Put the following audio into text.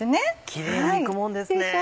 キレイにいくもんですね。